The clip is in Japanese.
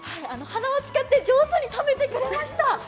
鼻を使って上手に食べてくれました。